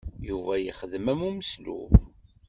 Yuba yexdem am umeslub.